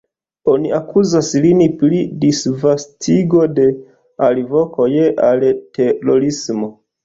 Oni akuzas lin pri disvastigo de “alvokoj al terorismo”.